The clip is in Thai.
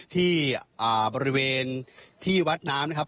ที่บริเวณที่วัดน้ำนะครับ